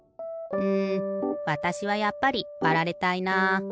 うんわたしはやっぱりわられたいな。